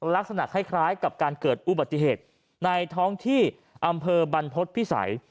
ลักษณะคล้ายกับการเกิดอุบัติเหตุในท้องที่อำเภอบรรพฤษภิษัย